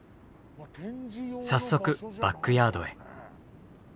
早速バックヤードへ。